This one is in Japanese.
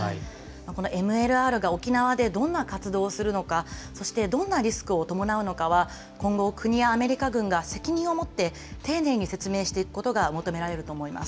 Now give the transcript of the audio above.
このＭＬＲが沖縄でどんな活動をするのか、そしてどんなリスクを伴うのかは、今後、国やアメリカ軍が責任を持って丁寧に説明していくことが求められ